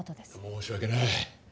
申し訳ない。